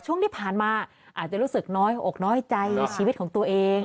ช่วงที่ผ่านมาอาจจะรู้สึกน้อยอกน้อยใจในชีวิตของตัวเอง